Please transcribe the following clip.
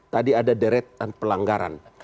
tadi ada deret dan pelanggaran